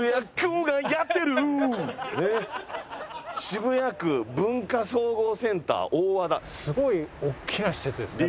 「渋谷区文化総合センター大和田」すごい大きな施設ですね。